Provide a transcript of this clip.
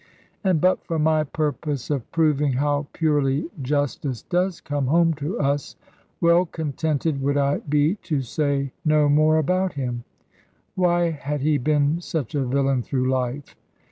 And but for my purpose of proving how purely justice does come home to us, well contented would I be to say no more about him. Why had he been such a villain through life?